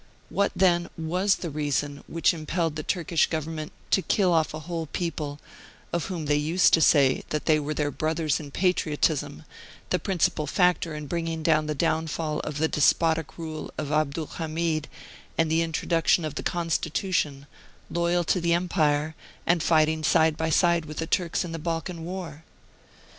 What, then, was the reason which impelled the Turkish Government to kill off a whole people, of whom they used to say that they were their brothers in patriotism, the prin cipal factor in bringing about the downfall of the despotic rule of Abdul Hamid and the introduction of the Constitution, loyal to the Empire, and fight ing side by side with the Turks in the Balkan war?